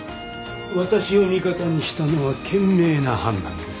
私を味方にしたのは賢明な判断です。